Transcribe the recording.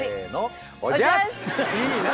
いいな。